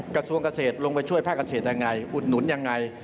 กระทรวงเกษตรลงไปช่วยภาคเกษตรยังไงอุดหนุนยังไง